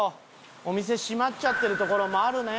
お店閉まっちゃってるところもあるね。